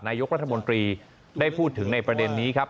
นายกรัฐมนตรีได้พูดถึงในประเด็นนี้ครับ